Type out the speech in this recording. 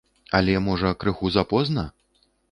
Але можа крыху запозна?